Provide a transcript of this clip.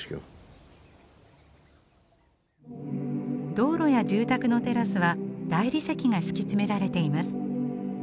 道路や住宅のテラスは大理石が敷き詰められています。